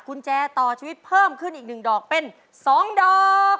กุญแจต่อชีวิตเพิ่มขึ้นอีก๑ดอกเป็น๒ดอก